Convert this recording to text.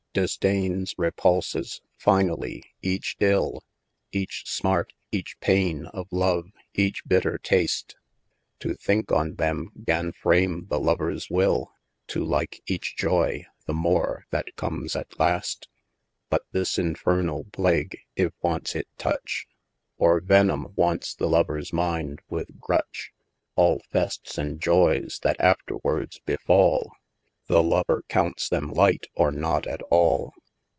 Disdaines, repulses, finallie eche ill, Eche smart, eche paine, of love eche bitter tast, To thinke on them gan frame the lovers will, To like eche joye, the more that comes at last : But this infernall plague if once it tutch, Or venome once the lovers mind with grutch, All festes and joyes that afterwardes befall, The lover comptes them light or nought at all.